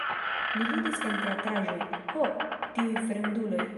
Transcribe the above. Li ludis en teatraĵoj "Ho, tiuj fremduloj!